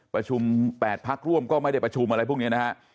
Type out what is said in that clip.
ประชุม๘พักร่วมก็ไม่ได้ประชุมอะไรพวกนี้นะฮะ